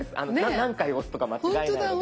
何回押すとか間違えないので。